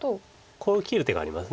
こう切る手があります。